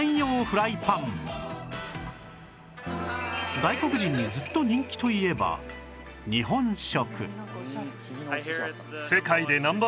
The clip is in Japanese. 外国人にずっと人気といえば日本食